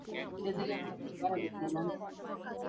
দেশে এসেছেন কয়েক দিনের জন্য।